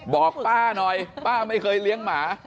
บอกป้าหน่อยป้าไม่เคยเลี้ยงหมา